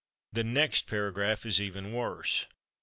The next paragraph is even worse.